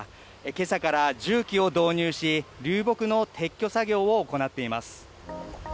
けさから重機を導入し、流木の撤去作業を行っています。